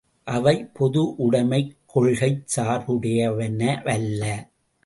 அவை, பொது உடைமைக் கொள்கைச் சார்புடையனவல்ல.